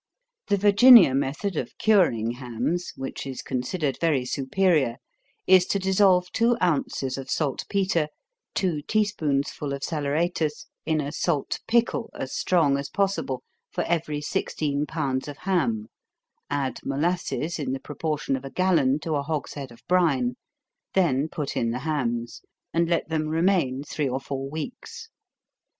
The Virginia method of curing hams, (which is considered very superior), is to dissolve two ounces of salt petre, two tea spoonsful of saleratus, in a salt pickle, as strong as possible, for every sixteen pounds of ham, add molasses in the proportion of a gallon to a hogshead of brine, then put in the hams, and let them remain three or four weeks.